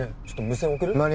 ちょっと無線送る？